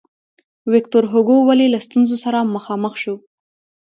ویکتور هوګو ولې له ستونزو سره مخامخ شو.